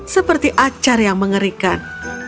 seperti acar yang mengerikan